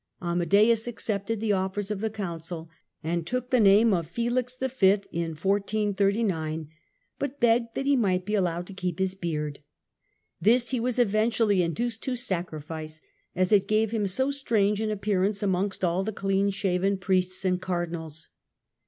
Amadeus accepted the offers of the Council, and took the name of Felix V., but begged that he might be allowed to keep his beard. This he was eventually in duced to sacrifice, as it gave him so strange an appear ance amongst all the clean shaven Priests and Cardinals.